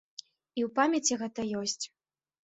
І ў памяці гэта ёсць.